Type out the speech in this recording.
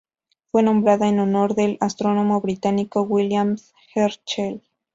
Fue nombrada en honor del astrónomo británico William Herschel.